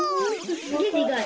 すげえでかい。